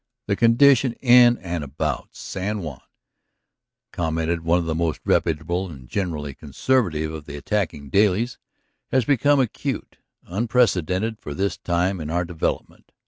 "The condition in and about San Juan," commented one of the most reputable and generally conservative of the attacking dailies, "has become acute, unprecedented for this time in our development.